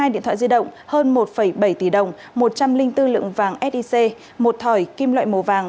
một mươi điện thoại di động hơn một bảy tỷ đồng một trăm linh bốn lượng vàng sic một thỏi kim loại màu vàng